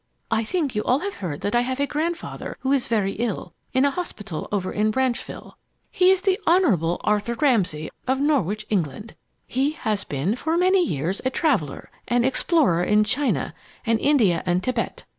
I think you all have heard that I have a grandfather who is very ill, in a hospital over in Branchville. He is the Honorable Arthur Ramsay, of Norwich, England. He has been for many years a traveler and explorer in China and India and Tibet.